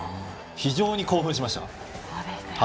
非常に興奮しました。